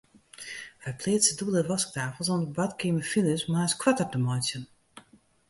Wy pleatse dûbelde wasktafels om de badkeamerfiles moarns koarter te meitsjen.